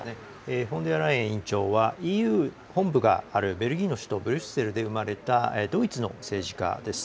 フォンデアライエン委員長はＥＵ本部があるベールギーの首都、ブリュッセルで生まれたドイツの政治家です。